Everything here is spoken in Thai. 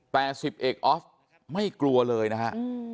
แปรงสิบเอกไม่กลัวเลยนะฮะ